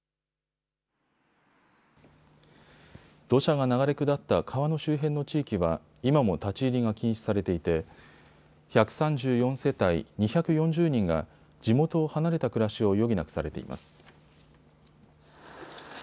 土砂が流れ下った川の周辺の地域は今も立ち入りが禁止されていて１３４世帯２４０人が地元を離れた暮らしを余儀なくされています。